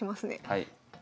はい。